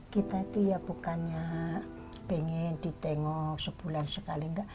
kita itu ya bukannya pengen ditengok sebulan sekali enggak